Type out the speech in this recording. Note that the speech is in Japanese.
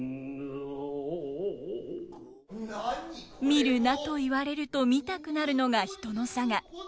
見るなといわれると見たくなるのが人の性。